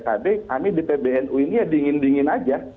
pkb kami di pbnu ini ya dingin dingin aja